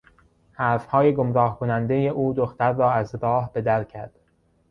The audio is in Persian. حرفهای گمراه کنندهی او دختر را از راه بدر کرد.